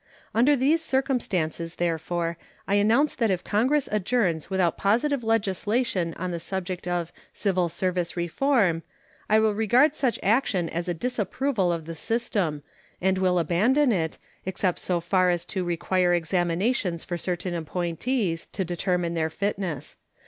Under these circumstances, therefore, I announce that if Congress adjourns without positive legislation on the subject of "civil service reform" I will regard such action as a disapproval of the system, and will abandon it, except so far as to require examinations for certain appointees, to determine their fitness.